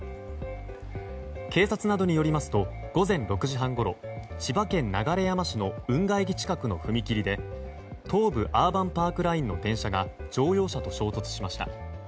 警察などによりますと午前６時半ごろ千葉県流山市の運河駅近くの踏切で東武アーバンパークラインの電車が乗用車と衝突しました。